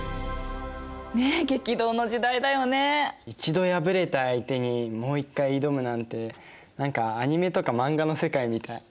１度敗れた相手にもう一回挑むなんて何かアニメとか漫画の世界みたい。